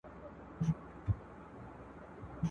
که له مرګه ځان ژغورې کوهي ته راسه !.